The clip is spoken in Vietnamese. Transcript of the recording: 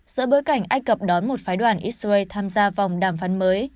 giữa bối cảnh ai cập đón một phái đoàn israel tham gia vòng đàm phán mới